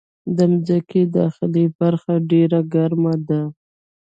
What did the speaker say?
د مځکې داخلي برخه ډېره ګرمه ده.